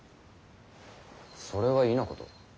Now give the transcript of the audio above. それは異なこと。